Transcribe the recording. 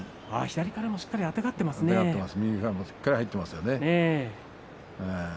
右からもしっかり入っていますね。